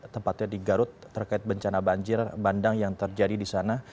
tempatnya di garut terkait bencana banjir bandang yang terjadi di sana